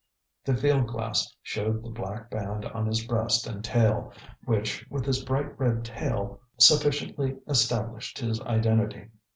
The field glass showed the black band on his breast and tail, which, with his bright red tail, sufficiently established his identity.